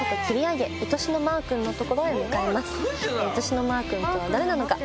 いとしのマー君とは誰なのか？